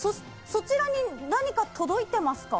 そちらに何か届いてますか？